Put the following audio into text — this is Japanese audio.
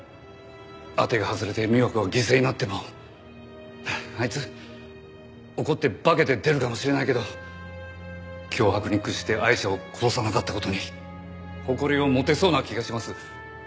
当てが外れて美和子が犠牲になってもあいつ怒って化けて出るかもしれないけど脅迫に屈してアイシャを殺さなかった事に誇りを持てそうな気がします。